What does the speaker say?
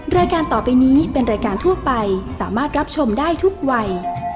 รายการต่อไปนี้เป็นรายการทั่วไปสามารถรับชมได้ทุกวัย